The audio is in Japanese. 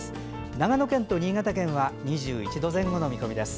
長野県と新潟県は２１度前後の見込みです。